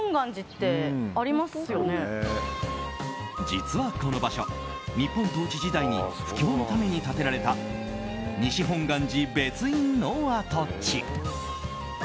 実はこの場所、日本統治時代に布教のために建てられた西本願寺別院の跡地。